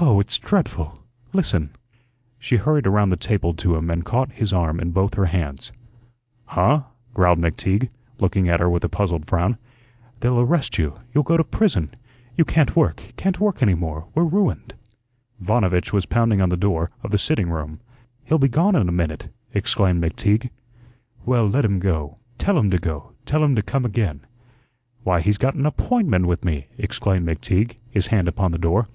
Oh, it's dreadful! Listen." She hurried around the table to him and caught his arm in both her hands. "Huh?" growled McTeague, looking at her with a puzzled frown. "They'll arrest you. You'll go to prison. You can't work can't work any more. We're ruined." Vanovitch was pounding on the door of the sitting room. "He'll be gone in a minute," exclaimed McTeague. "Well, let him go. Tell him to go; tell him to come again." "Why, he's got an APPOINTMENT with me," exclaimed McTeague, his hand upon the door.